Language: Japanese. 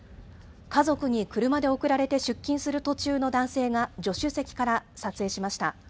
家族に車で送られて出勤する途中の男性が助手席から撮影しました。